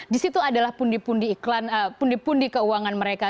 disitu adalah pundi pundi iklan pundi pundi keuangan mereka